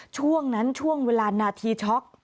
ช่วงนั้นช่วงเวลานาทีช็อก